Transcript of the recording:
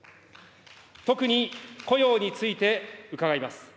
特に雇用について伺います。